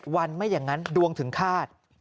วันไม่อย่างนั้นดวงถึงคาด